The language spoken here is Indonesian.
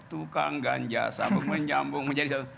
tukang ganja sabung menyambung menjadi satu